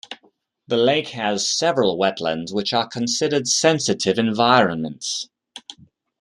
The lake has several wetlands which are considered sensitive environments.